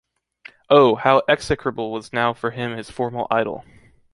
Oh, how execrable was now for him his former idol!